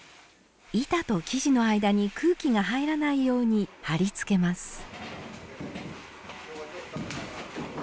板と生地の間に空気が入らないように貼り付けます